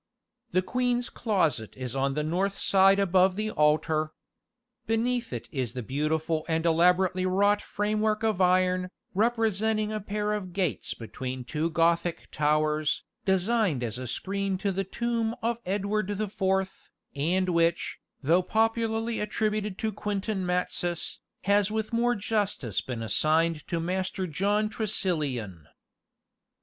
The queen's closet is on the north side above the altar. Beneath it is the beautiful and elaborately wrought framework of iron, representing a pair of gates between two Gothic towers, designed as a screen to the tomb of Edward the Fourth, and which, though popularly attributed to Quentin Matsys, has with more justice been assigned to Master John Tressilian.